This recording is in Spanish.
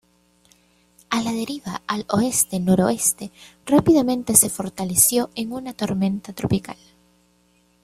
A la deriva al oeste-noroeste, rápidamente se fortaleció en una tormenta tropical.